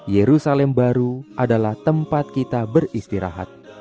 yerusalem baru adalah tempat kita beristirahat